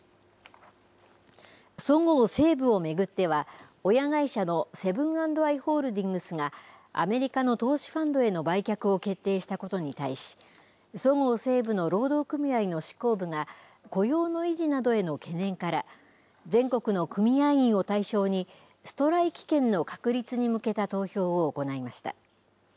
そごう・西武を巡っては、親会社のセブン＆アイ・ホールディングスが、アメリカの投資ファンドへの売却を決定したことに対し、そごう・西武の労働組合の執行部が、雇用の維持などへの懸念から、全国の組合員を対象に、ストライキ権の確立に向けた投票を行いました。